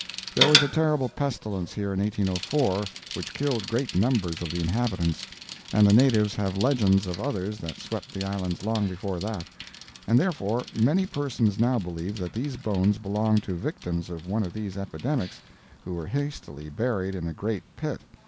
There was a terrible pestilence here in 1804, which killed great numbers of the inhabitants, and the natives have legends of others that swept the islands long before that; and therefore many persons now believe that these bones belonged to victims of one of these epidemics who were hastily buried in a great pit.